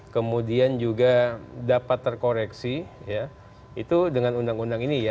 kemudian juga dapat terkoreksi ya itu dengan undang undang ini ya